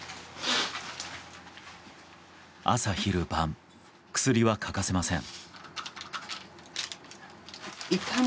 朝昼晩、薬は欠かせません。